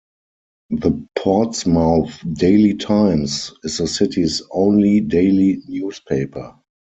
The Portsmouth Daily Times is the city's only daily newspaper.